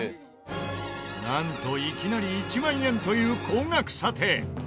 なんといきなり１万円という高額査定。